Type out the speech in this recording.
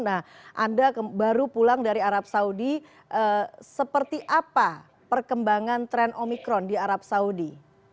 nah anda baru pulang dari arab saudi seperti apa perkembangan tren omikron di arab saudi